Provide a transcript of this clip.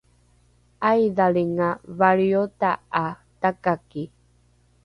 ’aidhalinga valriota ’a takaki